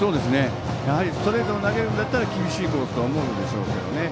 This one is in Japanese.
やはりストレートを投げるんだったら厳しいコースと思うでしょうね。